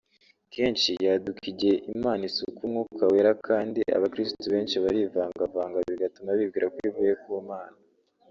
Kenshi yaduka igihe Imana isuka Umwuka Wera kandi abakiristu benshi barivangavanga bigatuma bibwira ko ivuye ku Mana